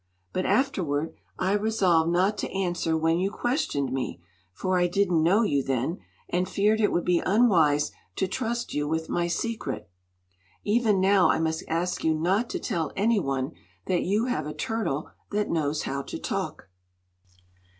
But afterward I resolved not to answer when you questioned me, for I didn't know you then, and feared it would be unwise to trust you with my secret. Even now I must ask you not to tell any one that you have a turtle that knows how to talk."